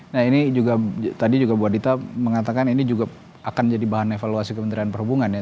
nah ini juga tadi juga bu adita mengatakan ini juga akan jadi bahan evaluasi kementerian perhubungan ya